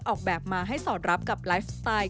ออกแบบมาให้สอดรับกับไลฟ์สไตล์